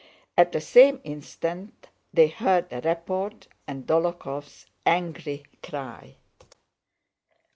At the same instant they heard a report and Dólokhov's angry cry.